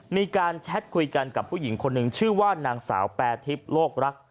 มีการแชทคุยกันกับผู้หญิงคนหนึ่งชื่อว่านางสาวแปรทิพย์โลกรัก